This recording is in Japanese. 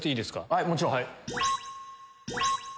はいもちろん。